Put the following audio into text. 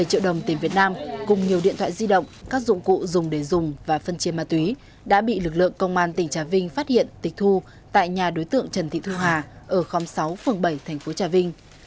một mươi triệu đồng tiền việt nam cùng nhiều điện thoại di động các dụng cụ dùng để dùng và phân chia ma túy đã bị lực lượng công an tỉnh trà vinh phát hiện tịch thu tại nhà đối tượng trần thị thu hà ở khóm sáu phường bảy thành phố trà vinh